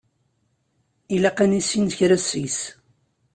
Ilaq ad nissin kra seg-s.